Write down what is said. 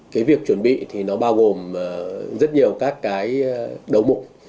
cái việc chuẩn bị thì nó bao gồm rất nhiều các cái đấu mụn